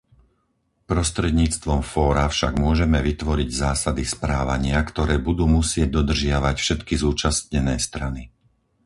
Prostredníctvom fóra však môžeme vytvoriť zásady správania, ktoré budú musieť dodržiavať všetky zúčastnené strany.